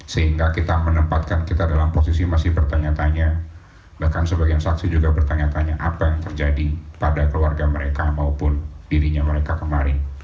sehingga kita menempatkan kita dalam posisi masih bertanya tanya bahkan sebagian saksi juga bertanya tanya apa yang terjadi pada keluarga mereka maupun dirinya mereka kemarin